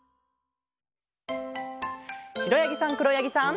しろやぎさんくろやぎさん。